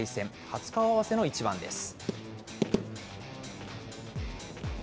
初顔合わせの一番です。